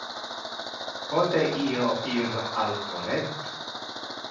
Pote io ir al toilette?